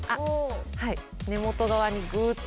はい根元側にグッと。